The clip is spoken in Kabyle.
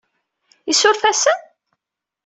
Isuref-asen?